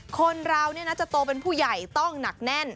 คนเราจะโตเป็นผู้ใหญ่ต้องหนักแน่น